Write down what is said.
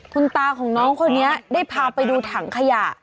คุณตาของน้องคนนี้ได้พาไปดูถังขยะ